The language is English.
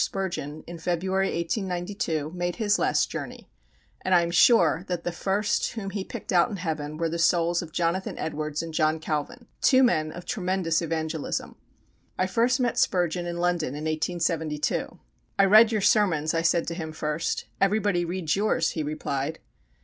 Spurgeon, in February, 1892, made his last journey; and I am sure that the first whom he picked out in heaven were the souls of Jonathan Edwards and John Calvin two men of tremendous evangelism. I first met Spurgeon in London in 1872. "I read your sermons," I said to him first. "Everybody reads yours," he replied.